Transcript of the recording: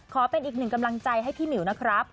เป็นอีกหนึ่งกำลังใจให้พี่หมิวนะครับ